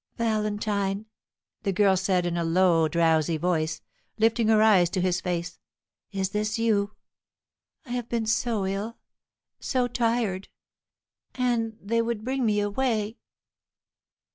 "Valentine!" the girl said, in a low drowsy voice, lifting her eyes to his face, "is this you? I have been so ill, so tired; and they would bring me away.